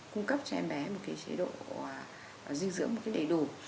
cung cấp cho em bé một cái chế độ dinh dưỡng đầy đủ